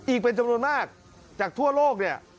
อีกเป็นจำนวนมากจากทั่วโลกเนี่ย